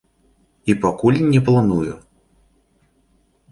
І пакуль не планую.